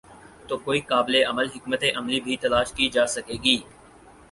تو کوئی قابل عمل حکمت عملی بھی تلاش کی جا سکے گی۔